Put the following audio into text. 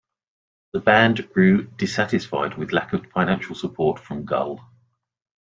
The band grew dissatisfied with lack of financial support from Gull.